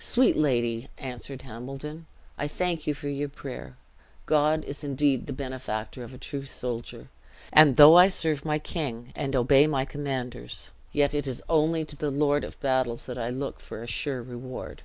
"Sweet lady," answered Hambledon, "I thank you for your prayer. God is indeed the benefactor of a true soldier; and though I serve my king, and obey my commanders, yet it is only to the Lord of battles that I look for a sure reward.